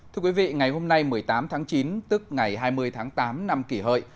thưa quý vị ngày hôm nay một mươi tám tháng chín tức ngày hai mươi tháng tám năm kỷ hợi